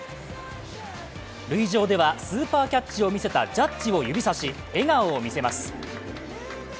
累上ではスーパーキャッチを見せたジャッジを指さし、笑顔を見せます。